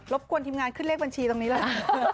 บกวนทีมงานขึ้นเลขบัญชีตรงนี้เลย